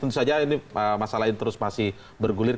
tentu saja ini masalah ini terus masih bergulir